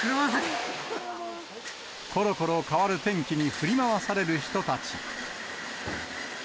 ころころ変わる天気に振り回される人たち。